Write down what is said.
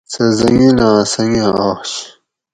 سہ زنگیلاں څنگہ آش